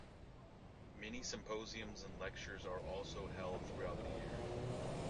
Many symposiums and lectures are also held throughout the year.